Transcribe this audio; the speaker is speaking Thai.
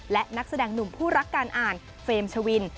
และนักแสดงหนุ่มผู้รักการอ่านเฟรมชวิน